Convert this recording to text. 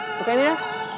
pak bukain ya